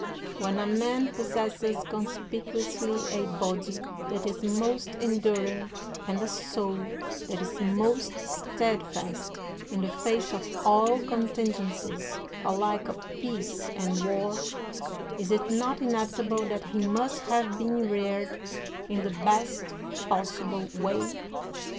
When a man pos sesses conspicuously a body that is most enduring and a soul that is most steadfast in the face of all contingencies alike of peace and war, is it not inevitable that he must have been reared in the best possible way